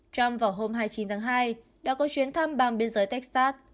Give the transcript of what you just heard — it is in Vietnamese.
trong vào hôm hai mươi chín tháng hai đã có chuyến thăm bang biên giới texas